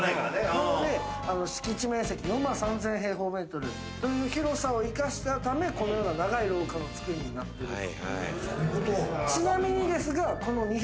なので敷地面積４万３，０００平方ｍという広さを生かしたためこのような長い廊下の造りになってると。